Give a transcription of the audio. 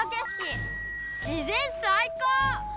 自然最高！